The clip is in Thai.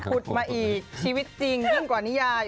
ขุดมาอีกชีวิตจริงยิ่งกว่านิยาย